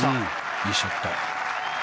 いいショット。